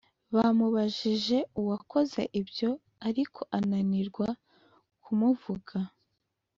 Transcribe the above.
” Bamubajije uwakoze ibyo ariko ananirwa kumuvuga.